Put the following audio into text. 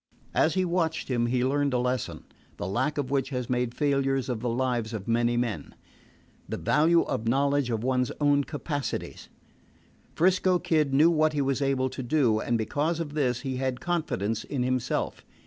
As he watched him he learned a lesson, the lack of which has made failures of the lives of many men the value of knowledge of one's own capacities. 'Frisco Kid knew what he was able to do, and because of this he had confidence in himself.